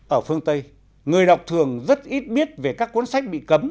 ở phương tây người đọc thường rất ít biết về các cuốn sách bị cấm